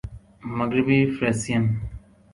مغربی فریسیئن